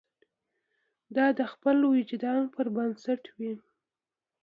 دا د خپل وجدان پر بنسټ وي.